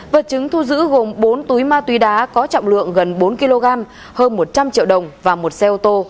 vật chứng thu giữ gồm bốn túi ma túy đá có trọng lượng gần bốn kg hơn một trăm linh triệu đồng và một xe ô tô